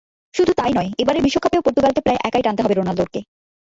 শুধু তা-ই নয়, এবারের বিশ্বকাপেও পর্তুগালকে প্রায় একাই টানতে হবে রোনালদোকে।